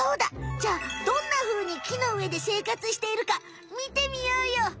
じゃあどんなふうに木の上で生活しているか見てみようよ！